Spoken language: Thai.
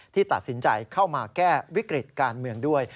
ที่ตัดสินใจเข้ามาแก้วิกฤติการเมืองด้วย